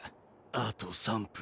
あと３分。